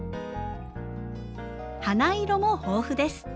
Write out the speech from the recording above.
花色も豊富です。